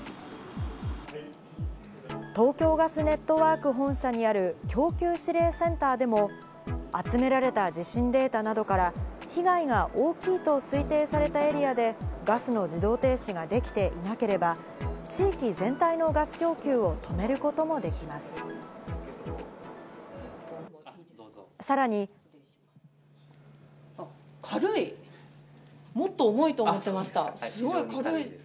東京ガスネットワーク本社にある供給指令センターでも、集められた地震データなどから、被害が大きいと推定されたエリアでガスの自動停止ができていなければ、地域全体のガス供給を止めることもできます。